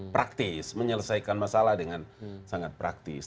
praktis menyelesaikan masalah dengan sangat praktis